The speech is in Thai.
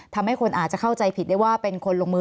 ทำให้คนอาจจะเข้าใจผิดได้ว่าเป็นคนลงมือ